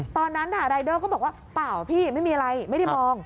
ตอนนั้นรายเดอร์ก็บอกว่าเปล่าพี่ไม่มีอะไรไม่ได้มอง